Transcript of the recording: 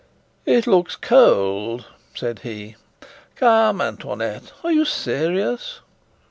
"It looks cold," said he. "Come, Antoinette, are you serious?"